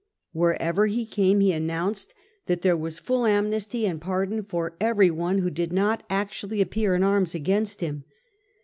Wherever he came, he announced that there was full amnesty and pardon for every one who did not actually appear in arms against him.